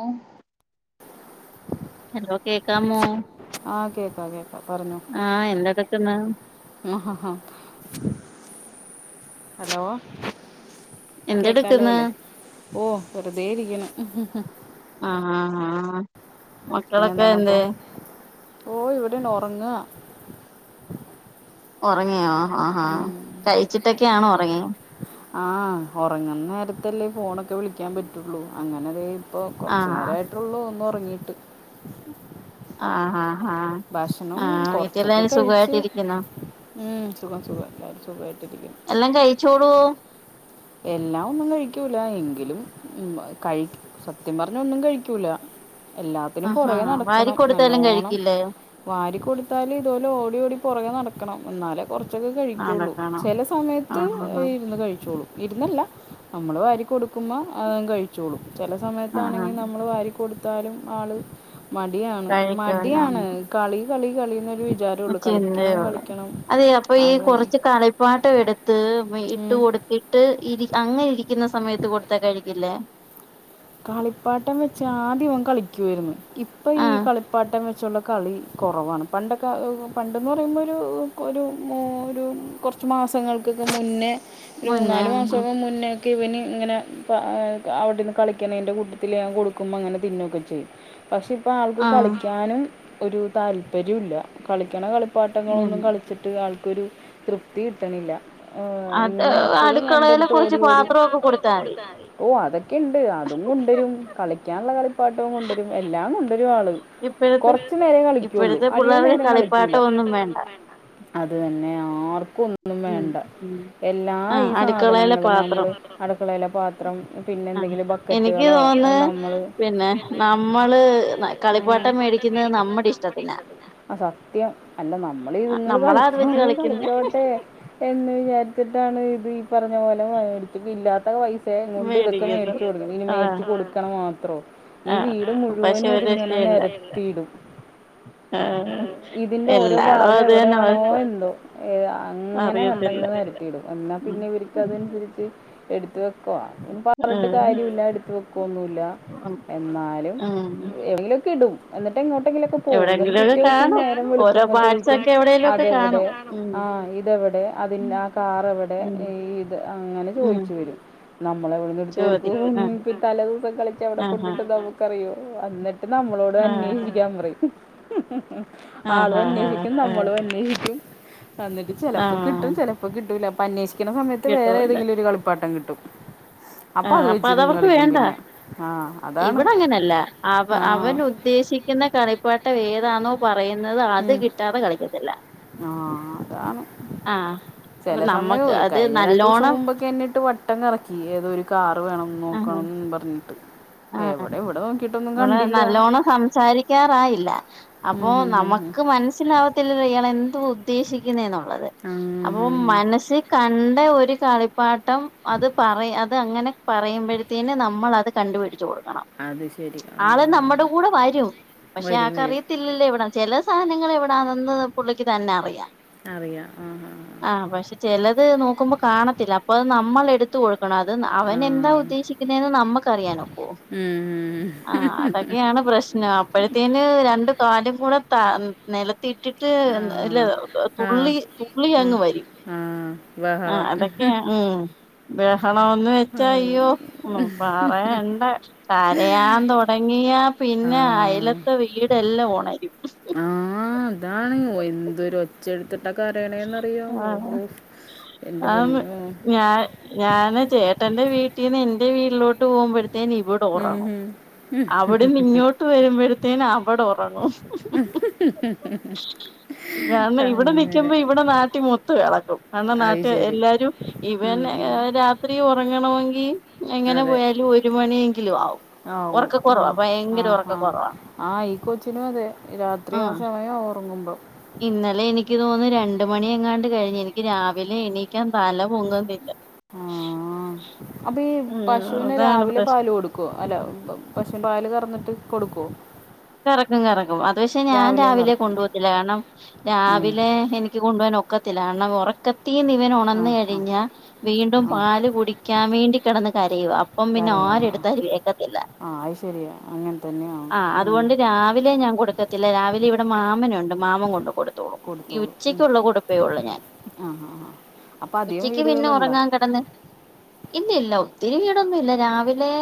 ആഹ് hello കേക്കാമോ ആഹ് കേക്കാം കേക്കാം പറഞ്ഞോ ആഹ് എന്തെടുക്ക്ന്ന് ആഹ് ഹ ഹ ഹലോ കേൾക്കാലോ എന്തെടുക്ക്ന്ന് അല്ലേ ഓ വെറുതെ ഇരിക്ക്ണ് ആഹ് ആഹ് മക്കളൊക്കെ പിന്നെന്താണ് അപ്പോൾ എന്തേ ഓ ഇവിടേന്ന് ഒറങ്ങാ ഉറങ്ങിയോ ആഹ് ആ ആ കഴിച്ചിട്ടൊക്കെ ആണോ ഉറങ്ങിയേ ആഹ ഒറങ്ങുന്ന നേരത്തല്ലേ ഫോണൊക്കെ വിളിക്കാൻ പറ്റുള്ളൂ അങ്ങനെ അതേ അപ്പൊ കൊറച്ചു ആഹ് നേരായിട്ടുള്ളൂ ഒന്നു ഒറങ്ങീട്ട് ആഹ് ഹ ഹാ ആഹ് കുറച്ചൊക്കെ വീട്ടിലെല്ലാരും കഴിച്ച് സുഖമായിട്ടിരിക്കുന്നോ? ഉം സുഖം സുഖം എല്ലാരും സുഖമായിട്ടിരിക്കുന്നു എല്ലാം കഴിച്ചോളൂ എല്ലാം ഒന്നും കഴിക്കൂല എങ്കിലും മ് കഴികും സത്യം പറഞ്ഞാ ഒന്നും കഴിക്കൂല എല്ലാത്തിനും ആഹാ പൊറകെ വാരി നടക്കണം കൊടുത്താലും നല്ലോണം കഴിക്കില്ലേ വാരി കൊടുത്താല് ഇതുപോലെ ഓടി ഓടി പൊറകെ നടക്കണം എന്നാലെ കുറച്ച് ചൊക്കെ കഴിക്കോള്ളൂ ആണക്കാണോ ചെല സമയത്ത് ആഹ് ആഹ് ഇരുന്നു കഴിചോളും ഇരുന്നല്ല നമ്മൾ വാരി കൊടുക് മാ അതങ് കഴിച്ചോളും ചില ആഹ് സമയത്താണെങ്കിൽ നമ്മൾ വാരി കൊടുത്താലും ആള് മടിയാണ്. മടിയാണ് കളി കളി കളി ന്നൊരു ചിന്തേയൊള്ളു അതെ അപ്പൊ ഈ അത് കുറച്ച് കളിപ്പാട്ടം എടുത്ത് മേ ഇട്ട് ഉം. കൊടുത്തിട്ട് ഇരി അങ്ങനെ ഇരിക്കുന്ന സമയത്ത് കൊടുത്താ കഴിക്കില്ലേ കളിപ്പാട്ടം വെച്ച് ആദ്യം ഓൻ കളിക്കു വേര്ന്ന്. ഇപ്പൊ ഈ ആഹ് കളിപ്പാട്ടം വെച്ചുള്ള കളി കൊറവാണ്. പണ്ടൊക്കെ പണ്ടെന്ന് പറയുമ്പോ ഒരു ഒരു ഒരു കൊറച്ച് മാസങ്ങൾക്ക് ക്കെക്കെ മുന്നേ ഒരു മുന്നേ മൂന്നാല് ആഹ് മാസൊക്കെ മുന്നെ ഒക്കെ ഇവന് ഇങ്ങനെ പാ അവടെര്ന്ന് കളിക്ക്ണേയ്ൻ്റെ കൂട്ടത്തില് ഞാൻ കൊടുക്കുമ്പോങ്ങനെ തിന്നൊക്കെ ചെയ്യും പക്ഷെ ഇപ്പൊ ആൾക്ക് ആഹ് കളിക്കാനും ഒരു താല്പര്യുല്ലാ. കളിക്കണ ഉം കളിപ്പാട്ടങ്ങളൊന്നും കളിച്ചിട്ട് ആൾക്കൊരു തൃപ്തി കിട്ടണില്ല. ഏഹ് അത് ഇങ്ങനെ എപ്പഴും എന്റെ അടുക്കളയിലെ അട്ത്ത് കുറച്ച് ഓടി ഓടി പാത്രമൊക്കെ കൊടുത്താൽ മതി ഓ അതൊ ക്കെണ്ട്. അതും കൊണ്ടുവരും കളിക്കാള്ള കളിപ്പാട്ടവും കൊണ്ടുവരും എല്ലാം കൊണ്ടുവരും ആള് ഇപ്പോഴത്തെ കൊറച്ചു നേരേ കളിക്കൊള്ളൂ ഇപ്പോഴത്തെ അധിക പിള്ളേർക്ക് നേരം കളിക്കൂല കളിപ്പാട്ടം ഒന്നും വേണ്ട അത് തന്നെയാ ഇപ്പൊ ഒന്നും ഉം വേണ്ട ഉം എല്ലാ ഈ ആഹ് അടുക്കളയിലെ സാധനങ്ങളും പാത്രം നമ്മള് അടുക്കളേലെ പാത്രം ആഹ് പിന്നെന്തെങ്കിലും എനിക്ക് ബക്കറ്റുകളോ തോന്ന് നമ്മള് പിന്നെ നമ്മള് കളിപ്പാട്ടം ഉം മേടിക്കുന്നത് പേടിക്കുന്നത് നമ്മുടെ നമ്മടെ ഇഷ്ടത്തിനാ ആഹ് സത്യം അല്ല നമ്മള് ഇതുങ്ങള് നമ്മളാ അത് വെച്ച് കളിക്ക്യാണെങ്കി കളിക്കുന്ന കളിച്ചോട്ടെ എന്ന് വിചാരിച്ചിട്ടാണ് ഇത് ഈ പറഞ്ഞ പോലെ മേടിച്ച് പ്പ ഇല്ലാത്ത പൈസേങ്ങോണ്ട് ഇതൊ ക്കെ മേടിക്കുന്നു മേടിച്ചു കൊടുക്കണം ഇനി ആഹ് മേടിച്ചു കൊടുക്കണ മാത്രോ ഈ ആഹ് വീട് പക്ഷെ മുഴുവനും ഒരു ഇത്ങ്ങനെ രക്ഷയില്ല നെരത്തിയി ടും. ആഹ് ഇതിന്റെ ഓരോ എല്ലാടോം ഭാഗം അത് തന്നെ എവിടെയാണോ അവസ്ഥ എന്തോ ഏഹ് അങ്ങനെ കണ്ടങ് അറിയത്തില്ല നെരത്തിയിടും എന്നാ ഉം പിന്നെ ഇവര്ക്ക് അതനുസരിച്ച് എടുത്ത് വെക്കോ [unintelligible] പറഞ്ഞിട്ട് ആഹ് കാര്യൂല്ല എടുത്ത് വെക്കൊന്നുല്ല എന്നാലും ഉം എവടെങ്ങിലൊക്കെ ഇടും എന്നി ട്ട് എങ്ങോട്ടെങ്കിലോക്കെ പോവും എന്നിട്ട് എവിടെയെങ്കിലുമൊക്കെ പിറ്റേ ദിവസം കാണും നേരം ഓരോ വെള്ക്കുമ്പോ പാർട്സ് ചോയ്ക്കും ഒക്കെ എവിടെേലും ഒക്കെ അതെവിടെ കാണും ഉം ആഹ് ഇതെവെടേ അതിൻ ആ കാർ എവടെ ഉം ഈ ഇത് അങ്ങനെ ഉം ചോയ്ച്ച് വരും നമ്മളെവ ത്തു ചോദിക്കും ആ കൊടുക്കും തല ദിവസം കളിച്ച് എവിടെ ആഹാ കൊണ്ടിട്ട് ന്ന് നമുക്കറിയോ എന്നിട്ട് നമ്മളോട് ആ അന്വേഷി ക്ക്യാമ്പറയും. ആഹ് ആളും ആഹ് ആഹ് അന്വേഷിക്കും ആഹ് നമ്മളും അന്വേഷിക്കും എന്നിട്ട് ചെലപ്പോ ആഹ് കിട്ടും ചെലപ്പോ കിട്ടൂല അന്വേഷിക്ക്ണ സമയത്ത് വേറെ കിട്ടുവല്ല ഏതെങ്കിലും ഒരു കളിപ്പാട്ടം കിട്ടും. അപ്പോൾ ആഹ് അത് അപ്പ വെച്ചിരുന്ന് അതവർക്ക് കളിക്കും വേണ്ട പിന്നെ ആ അതാണ് ഇവിടെ അങ്ങനല്ല അവ ആ അവൻ ഉദ്ദേശി തിക്കുന്ന കളിപ്പാട്ടം ഏതാന്നോ പറയുന്നത് അത് കിട്ടാതെ കളിക്കത്തില്ല ആഹ് അതാണ് ആഹ് അപ്പൊ ചെലേ സമയം നമ്മക്ക് പോയി അത് കഴിഞ്ഞ രണ്ടു ദിവസം നല്ലോണം മുമ്പൊക്കെ എന്നെ ഇട്ട് വട്ടം കറക്കി ഏതൊരു കാറ് വേണംന്ന് ആഹ് നോക്കണംന്ന് പറഞ്ഞിട്ട് എവിടെ വിടെ നൊ മോളെ നല്ലോണം സംസാരിക്കാറായില്ല. ഉം അപ്പൊ ഹും ഹും ഹും. നമുക്ക് മനസ്സിലാവത്തില്ലലോ ഇയാള് എന്തോ ഉദ്ദേശിക്കുന്നേന്നുള്ളത് ഉം അപ്പൊ ഹും ഹും. മനസി കണ്ട ഒരു കളി പാട്ടം അത് പറ അത് അങ്ങനെ പറയുമ്പോഴത്തേന് നമ്മൾ അത് കണ്ടുപിടിച്ചു കൊടു അത് ശ് ആള് നമ്മുടെ കൂടെ വരും പക്ഷെ വരും വരും ആക്കറിയത്തില്ലല്ലേ ഇവിടെ ചില സാധനങ്ങൾ വിടാണെന്ന് പുള്ളിക്ക് തന്നെ അറിയാ അറിയാം ആ ആ ആഹ് പക്ഷെ ചെലത് നോക്കുമ്പോ കാണത്തില്ല. അപ്പൊ അത് നമ്മള് എടുത്ത് കൊ ക്കണോ അത് ആ അവൻ ആ എന്താ ഉദ്ദേശിക്കുന്നെന്ന് നമ്മുക്കറിയാനോക്കുവോ ഉം. ആഹ് അതൊക്കെയാണ് പ്രശ്നം അപ്പോഴത്തേന് രണ്ട് കാലും കൂടെ ത നില ത്തിട്ടിട്ടിട്ട് ആ നെല് ആ തുള്ളി തുള്ളി ആ അങ്ങ് വരും ആ ആഹ് ബഹളം അതൊക്കെ ക്കെ ഉം ബഹളംന്ന് വെച്ച ആ അയ്യോ ഒന്നും പറയണ്ട കാ തെയാൻ തുടങ്ങിയാ ആ പിന്നെ അയലത്തെ വീടെ എല്ലാ ഉണരും ആഹ് അതാണ് എന്തൊരു ഒച്ചെടുത് ത കരയണേന്ന്റിയോ ആഹ് ഓഹോ ആന്ന് ഞാ ഞാന് ചേട്ടന്റെ വീട്ടീന്ന് എന്റെ വീട്ടിലോട്ട് പോഉമ്പഴത് ത്തേന് ഇവിടെ ഓറ ഉം ഉം. അവിടെ ന്നിങ്ങോട്ട് വരുമ്പഴത്തേന് അവടെ ഓ പങ്ങോ ഞാന്ന് ഇവിടെ നിക്കുമ്പോ അങ്ങനെ ഇവിടെ നാട്ടി മൊത്ത എള കാര്ന അത് നാട്ടി ശരി എല്ലാരും ഉം, ഇവന്നെ ഉം. ഏഹ് രാത്രിയു ഒറങ്ങണമെങ്കി എങ്ങനെ പോയാലും ഒരു മണിയെങ്കിലും ആവും ആഉ ഒറക്കക്കൊറവാ ആഹ് ഭയങ്കര ആഹ് ആഹ് ഒറക്കക്കൊറവാ ആയി കൊച്ചിനും അതെ രാത്രി ആ ഉം സമയം ഓർ ഇന്നലെ എനിക്ക് തോന്നി രണ്ടുമണി എങ്ങാണ്ട് കഴിഞ്ഞ് എനിക്ക് രാവിലെ എണീക്കാൻ തല പൊങ്ങുന്നില്ല അപ്പൊ ഈ ഉം പശുവിനെ അതാണ് രാവിലെ പ്രശ്നം പാല് കൊടുക്കുവൊ അല്ല പശുവിന് പാല് കറന്നിട്ട് കൊടുകൊ കറക്കും കറക്കും അത് പക്ഷേ ഞാൻ രാവിലെ കറക്കും കൊണ്ട് പോത്തില്ല കാരണം ഉം. രാവിലെ എനിക്ക് കൊണ്ടു പോവാൻ ഒക്കെ ത്തിലാണ് ഉറക്ക ത്തി നിവൻ ആ ഉണന്ന് ആ കഴിഞ്ഞാ വീണ്ടും ആ പാല് കുടിക്കാൻ വേണ്ടി കെടന്ന് കരയൂവാ അപ്പം പിന്നെ കറിയോ ആര് ആ ആ. എടുത്താലും എക്കത്തില്ല ആ അത് ശരിയാ അങ്ങനെ തന്നെയാവും ആഹ് ഉം. അതുകൊണ്ട് രാവിലെ ഞാൻ കൊടുക്കത്തില്ല രാവിലെ ഇവിടെ മാമനുണ്ട് മാമൻ കൊണ്ട് കൊടു തോളും ഈ കൊടുത്തോളൂ ഉം. ഉച്ചക്കുള്ള കൊടുപ്പേ ഉള്ളൂ ഞാൻ ആ ആ ആ അപ്പം അധികം ഉച്ചക്ക് പിന്നെ വീടുകളുണ്ടോ ഒറങ്ങാൻ കിടന്ന് ഇല്ലില്ല ഒത്തിരി വീടൊന്നുല്ല രാവിലെ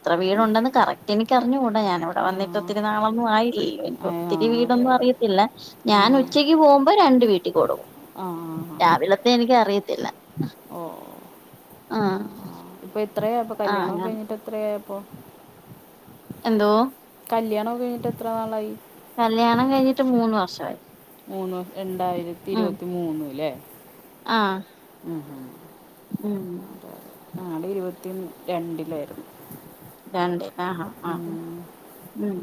എത്ര വീടുണ്ടെന്ന് കറക്റ്റ് എനിക്കറിഞ്ഞുകൂടാ ഞാനിവിടെ ആ വന്നിട്ട് ഒത്തിരി നാളൊന്നും ആയിലാല്ലോ എനിക്ക് ആ ഒത്തിരി വീ അതെ വിടൊന്നും അതെ അറിയത്തില്ല ഞാൻ ഉച്ചയ്ക്ക് പോകുമ്പോ രണ്ട് വീട്ടികൊടുക്കും ആഹ് ആഹ് ഹ അത് എനിക്ക് അറിയത്തില്ല ആഹ് ഇപ്പൊ എത്രയപ്പോ കല്യാണം ഒക്കെ ആഹ് കഴിഞ്ഞിട്ട് എത്രയയാപ്പോ എന്തോ കല്യാണോക്കെ കഴിഞ്ഞിട്ട് എത്ര നാളായി കല്യാണം കഴിഞ്ഞിട്ട് മൂന്ന് വർഷവായി മൂന്ന് രണ്ടായിരത്തി ഇരുപത്തി മൂന്ന് ഇല്ലേ ആഹ് ഉം ഹു ഉം ഹും ഞങ്ങടെ ഇരുപത്തി രണ്ടിലാരുന്നു രണ്ട് ആഹ് ആ ഉം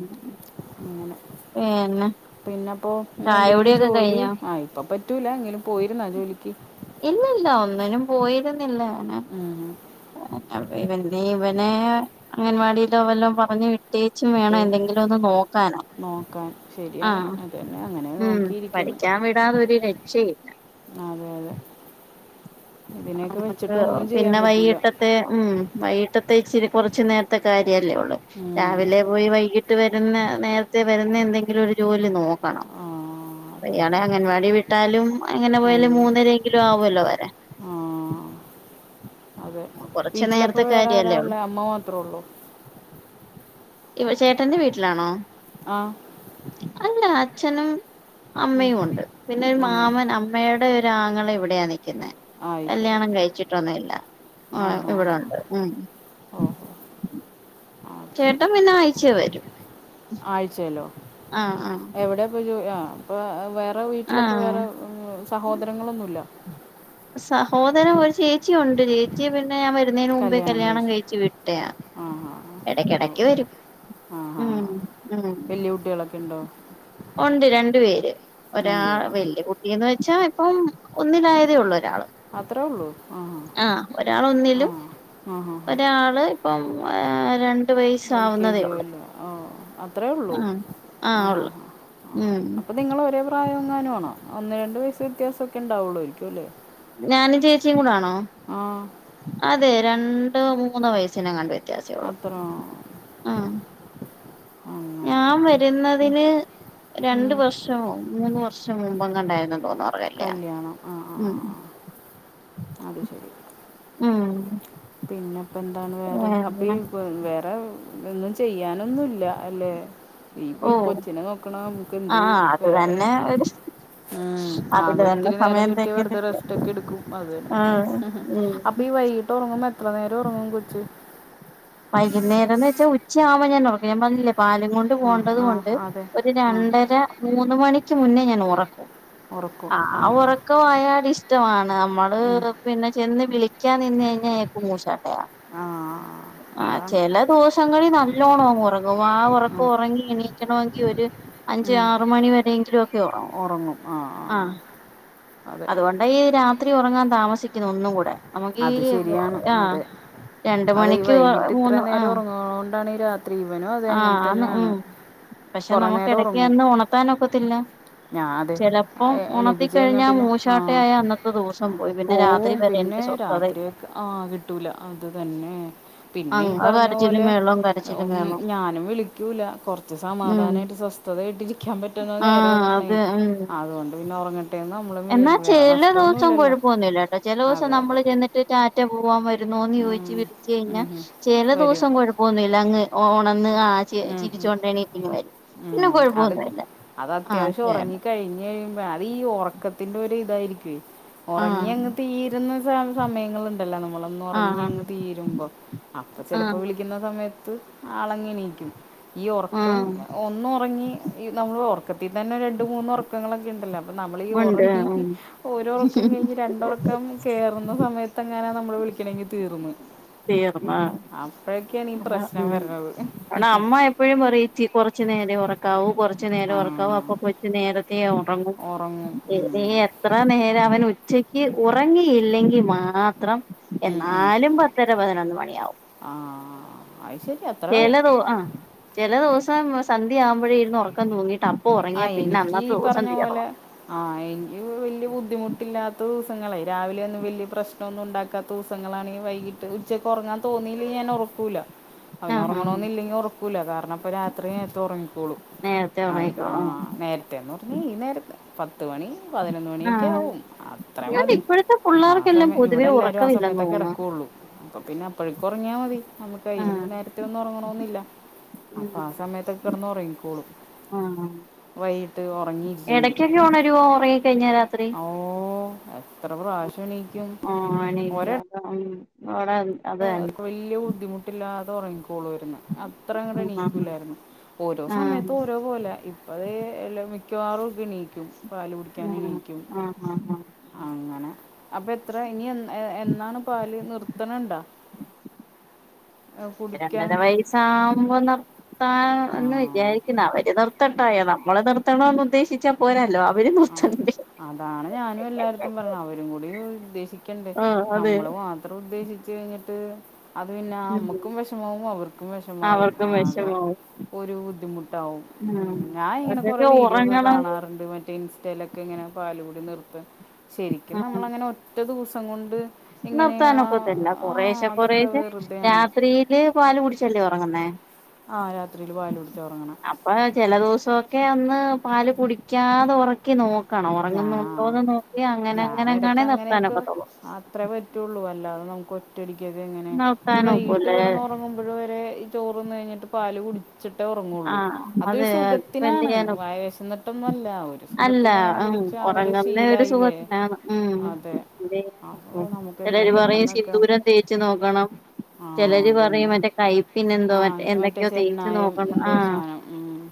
ഉം പിന്നെ പിന്നെപ്പോ ചായ ങ്ങളെന്തെങ്കിലും കുടിയൊക്കെ ജോലി കഴിഞ്ഞോ ആ ഇപ്പ പറ്റൂല എങ്കിലും പോയിരുന്നാ ജോലിക്ക് ഇല്ലാ ഒന്നിനും പോയിരുന്നില്ലാ ഉം [unintelligible] ഇവനേ അങ്ങൻവാടില്ലോ വല്ലോ പറഞ്ഞു വി ട്ടീച്ചും വേണം മറ്റേ എന്തെങ്കിലും ഒന്ന് നോക്കാനോ നോക്കാൻ ശരിയാണ് അതന്നെ അങ്ങനെ ഉം നോക്കിയിരിക്കും പഠിക്കാൻ വിടാതെ ഒരു രക്ഷയില്ല അതെ അതെ ഇതിനെയൊക്കെ നമുക്ക് വെച്ചിട്ട് ഒന്നും ചെയ്യാൻ പിന്നെ പറ്റൂല വൈകിട്ടത്തെ ഉം വൈകിട്ട ത്തെ ഇച്ചിരി കൊറച്ച് നേര്ത്തെ കാര്യല്ലേ ഒള്ള് ഉം. രാവിലെ പോയി വൈകീട്ട് ട്ട് വരുന്ന നേര്ത്തെ വരുന്ന എന്തെങ്കിലും ഒരു ജോലി നോക്കണം ആ അതെ അതെ അയാളെ അതെ അംഗൻവാടി വിട്ടാലും അങ്ങനെ ഉം. പോയാലും മൂന്നരേങ്കിലും ആവുല്ലോ വരാൻ ആ അതെ കുറച്ചു വീട്ടിലപ്പ നേരത്തെ വേറെ ആരാ കാര്യല്ലേ ഉള്ളൂ ഉള്ളേ അമ്മ മാത്രേ ഉള്ളു പ ചേട്ടന്റെ വീട്ടിലാണോ ആഹ് അല്ല അച്ഛനും അമ്മയും ഉണ്ട് പിന്നെ ഒരു അമ്മ മാമൻ അമ്മയുടെ ഒരാങ്ങള ഇവിടെയാനി ക്ക്ന്നെ ആയി ശരി കല്യാണം കഴിച്ചിട്ടൊന്നുമില്ല ആ ആഹ് ഹാ ഹാ ഇവിടൊണ്ട് ഉം ഓഹോ ആ ചേട്ടൻ ശരി പിന്നെ ആഴ്ചേ വരും ആഴ്ചയിലോ ആഹ് ആഹ് ആഹ് അപ്പോ വേറെ വീട്ടിലപ്പോ ആഹ് വേറെ ഉം സഹോദരങ്ങളൊന്നുല്ല സഹോദരൻ ഒരു ചേച്ചി ഉണ്ട് ചേച്ചി പിന്നെ പിന്നെ ഞാൻ വരുന്നേന് മുമ്പേ കല്ല്യാണം കഴിച്ചു വിട്ടയാ ആ ഹാ ഓ എടക്കിടക്ക് വരും ആ ഹാ ഹാ ഉം ഉം വലിയ കുട്ടികളൊക്കെ ഉണ്ടോ ഉണ്ട് രണ്ട് പേര് ഒരാൾ രണ്ടുപേരും വലിയ കുട്ടിയെന്നവച്ച ഇപ്പൊ ഒന്നിൽ ആയതേയുള്ളു അത്രേ ഒള്ളു ആഹ് ഒരാള് ഒന്നിലും ആ ഹാ ഹാ ഒരാള് ഇപ്പം രണ്ട്- എൽ കെ വയസ്സാവുന്നതേ ഉള്ളൂ ജിയും അത്രേ ഒള്ളു ആഹ് ആ ഹ് ആഹ് ഹ് ആഹ് ഉം അപ്പൊ നിങ്ങള് ഒരേ പ്രായമാ ഞാനുമാണ് ഒന്ന് രണ്ട് വയസ്സ് വ്യത്യാസമൊക്കെ ഇണ്ടാവുള്ളു ഞാനും ചേച്ചിയും കൂടാണോ അതെ രണ്ടോ മൂന്നോ വയസ്സിനു എങ്ങാണ്ട് വെച്ച് വ്യത്യാസേ ഒള്ളു അത്ര ആ അങ്ങനെ ഞാൻ വരുന്നതിന് രണ്ട് ഉം. വർഷമോ മൂന്ന് വർഷം മുൻപ് എങ്ങണ്ടാരുന്നു കല്യാണം ആ ഹ് ആഹ് ആഹ് അത് ശരി ഉം പിന്നെ അപ്പ എന്താണ് വേറെ അപ്പ പിന്നെ വേറെ ഒന്നും ചെയ്യാനൊന്നുല്ല അല്ലേ ഈ ഓഹ് കൊച്ചിനെ നോക്കണ നമുക്ക് എന്ത് ആഹ് അത് വേറെ തന്നെ ഒരു ഉം അതിന് ആകെ തന്നെ ഇത്തിരി നേരം സമയം കിട്ടിയാ വെറുതെ തെകയുന്നില്ല റസ്റ്റ് ഒക്കെ എടുക്കും അത് തന്നെ ആഹ് ഉം അപ്പൊ ഈ വൈകിട്ട് ഉറങ്ങുമ്പോ എത്ര എത്ര നേരം ഒറങ്ങും കൊച്ച്? വൈകുന്നേരന്ന് വെച്ച ഉച്ച ആവുമ്പോ ഞൻ ഒറക്കും. ഞാൻ പറഞ്ഞില്ലേ പാലും കൊണ്ട് ആ പോണ്ടത് കൊണ്ട് ആ അതെ ഒരു ആ രണ്ടര മൂന്ന് മണിക്ക് മുന്നേ ഞാൻ ഒറക്കും. ആ ഉറക്ക വായാട് ഇഷ്ടമാണ് നമ്മള് ഉം. പിന്നെ ചെന്ന് വിളി ക്കാൻ നിന്നു കഴിഞ്ഞ അയാൾക് മുഷട്ടായ ആഹ ആ ചെല ദിവസങ്ങളിൽ നല്ലോണം അങ്ങ് ഒറങ്ങും അഹ് ഒറക്കം ഉം. ഒറങ്ങി എണിക്കണമെങ്കി ഒരു അഞ്ച് ഉം. ആറ് മണിവരെ എങ്കി ഉറങ്ങും ആ ആ അതെ അതുകൊണ്ട് ഈ ര രാത്രി ഒറങ്ങാൻ താമസിക്കുന്നു ഒന്നും കൂടെ നമുക്ക് അത് ഈ ശരിയാണ് അതെ രണ്ട് അതെ മണി ഈ വൈകിട്ട് ഇത്ര നേരം ഒറങ്ങണകൊണ്ടാണ് ഈ രാത്രി ഇവനും അതെ ആ അങ്ങനെ ആന്ന് തന്നെയാണ് ഉം പക്ഷെ കുറേ നമുക്ക് നേരം ഇടക്ക് ഉറങ്ങും ഒന്ന് ഉണത്താനൊക്കത്തില്ല. ഞാൻ അതെ ചിലപ്പം എ- എണീപ്പിച്ച് കഴിഞ്ഞാൽ ഉണത്തിക്കഴിഞ്ഞാൽ പിന്നെ ആ മൂശാട്ടയായ അന്നത്തെ ദിവസം പോയി പിന്നെ രാത്രി വരെ എനിക്ക് സ്വസ്ഥതയില്ല രാത്രിയെ ആ കിട്ടൂല അത് തന്നെ പിന്നെ ഈ അങ്ങ പറഞ്ഞ കരച്ചിലും പോലെ മേളവും കരച്ചിലും മേളവും ഞാനും വിളിക്കൂല്ല കൊർച്ച് ഉം സമാധാനമായിട്ട് സ്വസ്ഥതയായിട്ട് ഇരിക്കാൻ പറ്റുന്ന ആഹ് നേരം അത് ഉം അത് കൊണ്ട് പിന്നെ ഉറങ്ങട്ടെയെന്ന് നമ്മ എന്നാ ചെല ദിവസം കൊ ഴപ്പമൊന്നുമില്ലട്ടോ. ചെല ദിവസം അതെ നമ്മൾ അതെ ചെന്നിട്ട് റ്റാറ്റാ പോവാൻ വ വരുന്നോയെന്ന് ചോയ്ച്ച ഉം, വിളിച്ച ഉം, കഴിഞ്ഞൽ ഉം. ചെല വരും ദിവസം കൊ ഴപ്പമൊന്നുമില്ല അങ്ങ് ഒ ആ ഉം, ഉം, ചിരിച്ചുകൊണ്ടണിറ്റിങ് വരും പിന്നെ ഉം. അത് കൊ- കൊഴപ്പമൊന്നുമല്ല അത് അത്യാവശ്യം ഉറങ്ങി കഴിഞ്ഞ് കഴിഞ്ഞ് അത് ഈ ഉറക്കത്തിന്റെ ഒരു ഇതായിരിക്കുവേ ഒറങ്ങി ആഹ് അങ്ങ് തീരുന്ന സമയങ്ങള് ഇണ്ടല്ലോ ളന്നുറങ്ങി ആഹ് അങ്ങ് തീരുമ്പോ അപ്പൊ ചിലപ്പോ ആഹ് വിളിക്കുന്ന സമയത്ത് ആളങ്ങ എണീക്കും. ഈ ഒറക്കം ആഹ് ഒന്ന ഒറങ്ങി നമ്മള് ഇതിൽ തന്നെ രണ്ട് മുന്ന് ഒറക്കങ്ങൾ ഓക്കെ ഇണ്ടല്ലോ അപ്പൊ നമ്മൾ ഈ ഉണ്ട് ഒറങ്ങി ഉം ഒരു ഒറക്കം കഴിഞ്ഞ് രണ്ട് ഒറക്കം കേറുന്ന സമയത്ത് എങ്ങനാ നമ്മള് വിളിക്കണെങ്കിൽ തീർന്ന് തീർന്ന് അപ്പോഴൊക്കെയാണീ പ്രശ്നം ഉം വരണത്. അമ്മ എപ്പോഴും പറയും ഇച്ചി കൊറച്ച് നേരേ ഒറക്കാവൂ കൊ റച്ച് നേരേ ആ ഒറക്കാവു അപ്പോ കൊച്ച് നേരത്തേ ഒറ ങും ഉറങ്ങും ഇനി ഉം. എത്ര നേരം അവന് ഉ ഉച്ചക്ക് ഉറങ്ങിയില്ലെങ്കിൽ മാത്രം ഉം, ഉം. എന്നാലും പത് പത്തര പതിനൊന്ന് മണിയാവും. ആ അത് ശരി അത്ര ചെലതോ ആഹ് ചെല ദിവസം സന്ധ്യ ആവുമ്പോഴ ഇരുന്ന് ഉറക്കം തൂങ്ങിട്ട് അ ആഹ് എനിക്ക് ഈ പറഞ്ഞ പോലെ ആ എനിക്ക് വല്യ ബു ദിവസങ്ങളെ രാവിലെ ഒന്നും വലിയ പ്രശ്നൊന്നും ഉണ്ടാക്കാത്ത ദിവസങ്ങളാണെങ്കി വൈകിട്ട് ഉച്ചയ്ക്ക് ഉറങ്ങാൻ തോന്നീയില്ലെങ്കി ഞാൻ ഒറക്കൂല്ല. അവന് ആഹ് ആഹ് ഒറങ്ങണോന്ന് ഇല്ലെങ്കി ഒ റക്കൂല കാരണം അപ്പ രാത്രി നേരത്തെ ഒറങ്ങിക്കോളൂം നേരത്തെ അത് ആ ഉറങ്ങിക്കോളും നേരത്തേന്ന് പറഞ്ഞ ഈ നേരത്ത് പത്ത് മണി പതിനൊന്ന് മണിയൊക്കെ ആഹ് ആവും അത്ര ഇവന് മതി ഇപ്പോഴത്തെ ആ പിള്ളേർക്കെല്ലാം സമയം ഇവിടെ പൊതുവേ എല്ലാവരും ആ ഉറക്കമില്ലെന്ന് സമയത്തൊക്കെ തോന്നുന്നു കിടക്കോള്ളൂ അപ്പൊ പിന്നെ അപ്പഴേക്കും ഒ റങ്ങിയാ മതി നമ്മുക്ക് അയ്യിലും ആഹ് നേരത്തെയൊന്നും ഉറങ്ങണന്നില്ല. അപ്പൊ ഉം ആഹ് സമയത്തൊക്കെ കിടന്ന് ഉറങ്ങിക്കോളൂം. ആഹ് വൈകിട്ട് ഉറങ്ങിയില്ലെങ്കിൽ ഇടയ്ക്കൊക്കെ ഉണരുവോ ഉറങ്ങി കഴിഞ്ഞാ രാത്രി ഓ എത്ര പ്രാവശ്യം എണീ ആഹ് എണീക്കും അതാണ് ആ വല്യ ബുദ്ധിമുട്ടില്ലാത ഉറങ്ങിക്കോ കോളുമാരുന്നു അത്ര അങ്ങിട്ട് ആഹ് എണ്ണിക്കൂലാരുന്നു ഓരോ ആഹ് സമയത്തും ഓരോ പോലെയാ ഇപ്പ ദേ എല്ലൊം മിക്കവാറും ഒക്കെ എണീക്കും പാല് കുടിക്കാനും ആഹ് എണ്ണീക്കും ആഹ് ആഹ് ആഹ് അങ്ങനെ അപ്പ എത്ര ഇനി എന്നാ ആ എന്നാണ് പാല് നിർത്തണണ്ടാ രണ്ടര വയസാവുമ്പോ നിർത്താ എന്ന് ആ വിചാരിക്കുന്നു അവര് നിർത്തട്ടെ ണ്ടായ നമ്മള് നിർത്തണെന്ന് ഉദ്ദേശിച്ചാൽ പോരാല്ലോ. അവര് ആഹ് നിർത്തണ്ടേ അതാണ് ഞാനും എല്ലാടുത്തും പറയണ അവരും കൂടി ഉദ്ദേശിക്ക ക്കെണ്ടെ ആഹ് അതെ നമ്മള് മാത്രം ഉദ്ദേശിച്ചു കഴിഞ്ഞിട്ട് അത് പിന്നെ ഉം നമ്മുക്കും വിഷമാവും അവർക്കും വിഷമാവും അവർക്കും ആകെ വിഷമാവും ഒരു ബുദ്ധിമുട്ടാവും മ് ഉം ഞാൻ ഇങ്ങനെ കൊറെ അവരൊക്കെ വീഡിയോ ഒക്കെ ഉറങ്ങണെങ്കി കാണാറുണ്ട് മറ്റ ഇൻസ്റ്റൈലൊക്കെ ഇങ്ങനെ പാലു കൂടി നിർത്ത ശരിക്കും ഉം നമ്മളങ്ങനെ ഒറ്റ ദിവസം കൊണ്ട് ഇങ്ങനെ ആ നിർത്താനൊക്കത്തില്ല ആ കൊറേശ്ശെ അതൊക്കെ കൊറേശ്ശെ വേ രാത്രിയില് പാല് കുടിച്ചല്ലേ ഉറങ്ങുന്നെ ആ രാത്രിയിൽ പാൽ കുടിച്ച് ഉറങ്ങണം അപ്പൊ ചില ദിവസം ഒക്കെ ഒന്ന് പാല് കുടിക്കാതെ ഉറക്കി നോക്കണം ഉറങ്ങുന്നുണ്ടോന്ന് നോക്കി അങ്ങനെ ഞാൻ ഇടക്ക് അങ്ങനെങ്ങാണേ അങ്ങനെയൊക്കെ നിർത്താനൊക്കത്തുള്ളൂ അത്രേ പറ്റുള്ളൂ അല്ലാതെ നമുക്ക് ഒറ്റടിക്ക് ഒക്കെ എങ്ങനെ ഈ വൈകിട്ട് നിർത്താനൊക്കൂല്ലേ കിടന്ന് ഉറങ്ങുമ്പോഴ് വരെ ഈ ചോറുന്ന മ കഴിഞ്ഞിട്ട് പല് കുടിച്ചിട്ടാ ഒറ ങ്ങുള്ളൂ ആഹ് അത് ഒരു അതെ അതിപ്പ എന്ത് സുഖത്തിനാണ് ചെയ്യാന വയറു വിശന്നൊട്ടൊന്നല്ല ഒരു അല്ല സുഖത്തിനു അങ്ങനെ ഉം കുടിച്ച് അവര് ഉറങ്ങുന്ന ഒരു ശീലായില്ലേ സുഖത്തിനാണ് ഉം അതെ അപ്പോൾ [unintelligible] നമുക്ക് ഇങ്ങനെ ചിലര് പറയും പെട്ടെന്നൊക്കെ സിന്ദൂരം തേച്ച് നോക്കണം ആ ചിലര് അത് തന്നെ പറയും മറ്റേ കൈപ്പിന് എന്തോ ആ മറ്റേ എന്തൊക്കെയോ തേച്ച് ചെന്നായം നോക്കണം എന്തോ ഒരു ആഹ് സാധനം ഉം.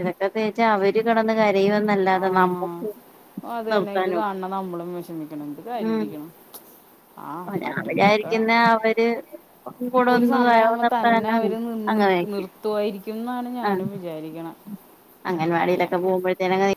ഇതൊക്കെ തേച്ചാ അവര് കിടന്ന് ആ കരയുമെന്നല്ലാതെ നമ്മുക്ക് അത് തന്നെ ഇത് നിർത്താനൊക്കും കാണണം നമ്മളും വിഷമിക്കണം എന്ത് കാര്യം ഇരിക്കണ് അഹ് ഞാൻ വിചാരിക്കുന്നേ അവര് ഒക്കെ കൂടെ ഒരു ഒന്ന് വയർ സമയമാകുമ്പോൾ തന്നെ നിവർത്താന അവർ അങ്ങനെയാരിക്കും നിർത്തുമായിരിക്കും എന്നാണ് ആഹ് ഞാനും വിചാരിക്കണം അങ്ങനെ അംഗൻവാടിയിലൊക്കെ പോകുമ്പോഴേത്തെൻ അങ്ങ് നി